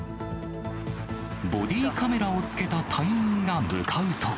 ボディーカメラをつけた隊員が向かうと。